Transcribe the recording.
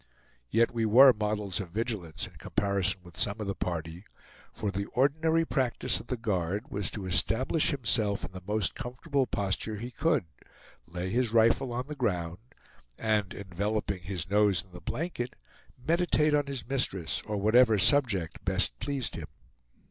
Yet we were models of vigilance in comparison with some of the party; for the ordinary practice of the guard was to establish himself in the most comfortable posture he could; lay his rifle on the ground, and enveloping his nose in the blanket, meditate on his mistress, or whatever subject best pleased him.